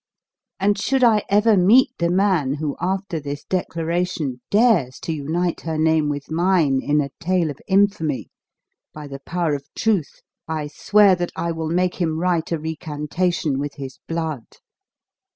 And should I ever meet the man, who, after this declaration, dares to unite her name with mine in a tale of infamy by the power of truth, I swear that I will make him write a recantation with his blood.